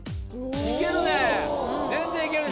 いけるね！